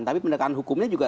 tapi pendekatan hukumnya